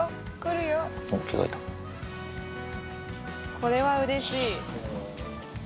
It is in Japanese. これはうれしい。